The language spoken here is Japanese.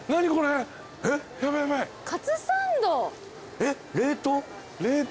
えっ冷凍？